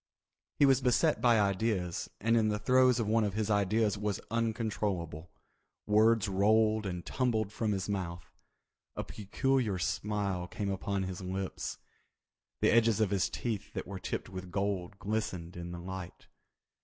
He was beset by ideas and in the throes of one of his ideas was uncontrollable. Words rolled and tumbled from his mouth. A peculiar smile came upon his lips. The edges of his teeth that were tipped with gold glistened in the light.